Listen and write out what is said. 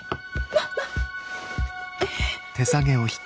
あっ！